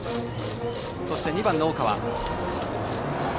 そして２番の大川。